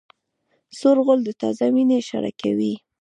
سور غول د تازه وینې اشاره کوي.